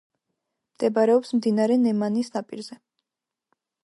მდებარეობს მდინარე ნემანის ნაპირზე.